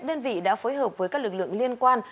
đơn vị đã phối hợp với các lực lượng liên quan